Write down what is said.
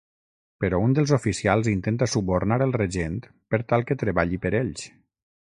Però un dels oficials intenta subornar el regent per tal que treballi per ells.